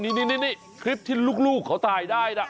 นี่คลิปที่ลูกเขาถ่ายได้นะ